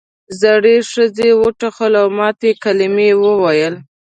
زړې ښځې وټوخل او ماتې کلمې یې وویل.